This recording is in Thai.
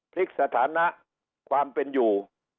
พลิกสถานะความเป็นอยู่